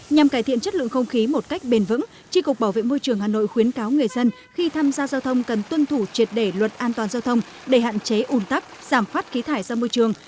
nhằm cải thiện chất lượng không khí một cách bền vững tri cục bảo vệ môi trường hà nội khuyến cáo người dân khi tham gia giao thông cần tuân thủ triệt để luật an toàn giao thông để hạn chế ủn tắc giảm phát khí thải ra môi trường